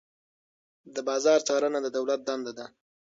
د بازار څارنه د دولت دنده ده.